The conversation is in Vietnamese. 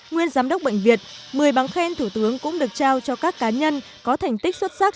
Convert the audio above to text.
nguyên giám đốc bệnh viện một mươi bằng khen thủ tướng cũng được trao cho các cá nhân có thành tích xuất sắc